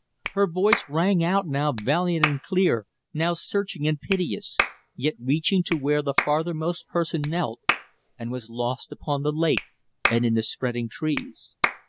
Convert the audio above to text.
Her voice rang out now valiant and clear, now searching and piteous, yet reaching to where the farthermost person knelt, and was lost upon the lake and in the spreading trees.